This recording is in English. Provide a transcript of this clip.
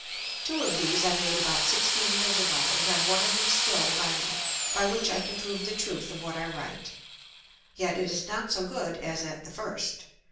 Two of these I made about 16 Years ago, and have one of them still by me, by which I can prove the truth of what I write. Yet it is not so good as at the first.